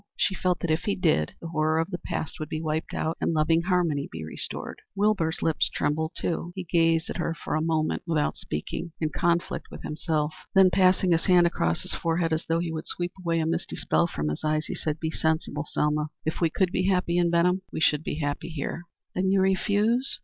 She felt that if he did, the horror of the past would be wiped out and loving harmony be restored. Wilbur's lips trembled, too. He gazed at her for a moment without speaking, in conflict with himself; then passing his hand across his forehead, as though he would sweep away a misty spell from his eyes, said, "Be sensible, Selma. If we could be happy in Benham, we should be happy here." "Then you refuse?"